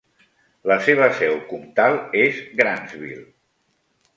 La seva seu comtal és Grantsville.